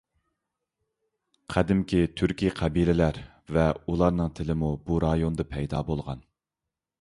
قەدىمكى تۈركىي قەبىلىلەر ۋە ئۇلارنىڭ تىلىمۇ بۇ رايوندا پەيدا بولغان.